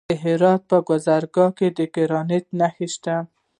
د هرات په ګذره کې د ګرانیټ نښې شته.